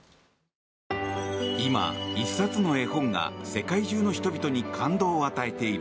今、１冊の絵本が世界中の人々に感動を与えている。